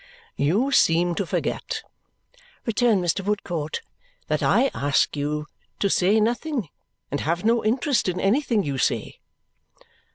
"You seem to forget," returned Mr. Woodcourt, "that I ask you to say nothing and have no interest in anything you say."